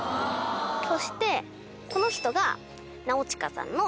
そしてこの人が。